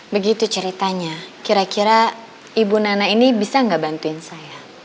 begitu ceritanya kira kira ibu nana ini bisa nggak bantuin saya